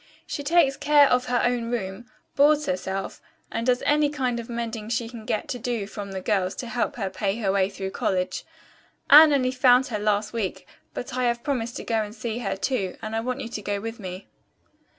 She takes care of her own room, boards herself and does any kind of mending she can get to do from the girls to help her pay her way through college. Anne only found her last week, but I have promised to go to see her, too, and I want you to go with me."